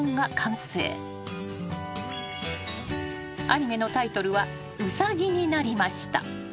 ［アニメのタイトルは『うさぎ』になりました］